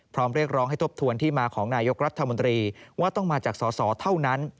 เรียกร้องให้ทบทวนที่มาของนายกรัฐมนตรีว่าต้องมาจากสอสอเท่านั้น